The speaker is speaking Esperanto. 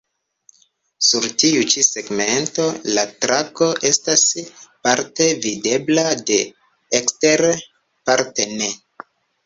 Sur tiu ĉi segmento, la trako estas parte videbla de ekstere, parte ne.